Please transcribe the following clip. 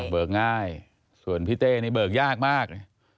ง่ายส่วนพี่เต้นี่เบิกยากมาก